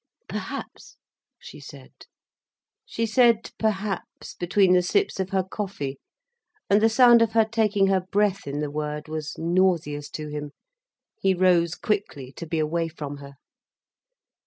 "Perhaps," she said. She said 'Perhaps' between the sips of her coffee. And the sound of her taking her breath in the word, was nauseous to him. He rose quickly to be away from her.